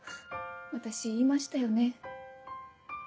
私言いましたよね。